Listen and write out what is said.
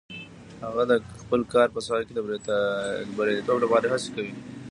هغه د خپل کار په ساحه کې د بریالیتوب لپاره هڅې کوي